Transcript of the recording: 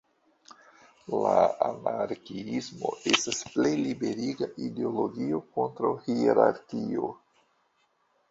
La anarkiismo estas plej liberiga ideologio kontraŭ hierarkio.